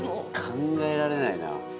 考えられないな。